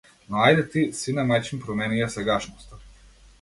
Но ајде ти, сине мајчин, промени ја сегашноста!